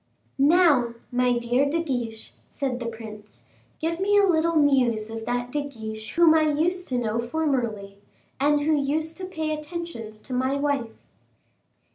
"Now, my dear De Guiche," said the prince, "give me a little news of that De Guiche whom I used to know formerly, and who used to pay attentions to my wife."